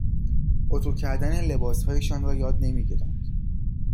اتو کردن لباسهایشان را یاد نمی گیرند،